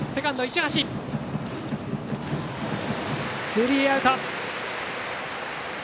スリーアウト。